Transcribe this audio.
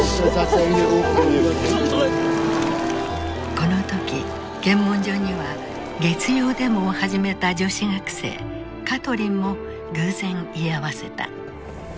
この時検問所には月曜デモを始めた女子学生カトリンも偶然居合わせた。